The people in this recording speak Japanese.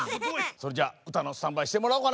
それじゃあうたのスタンバイしてもらおうかな。